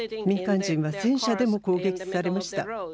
民間人は戦車でも攻撃されました。